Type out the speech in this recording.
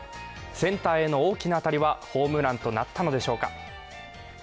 センターへの大きな当たりはホームランとなったのでしょうか。